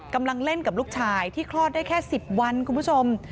กำลังเล่นกับลูกชายที่คลอดได้แค่๑๐วันคุณผู้ชม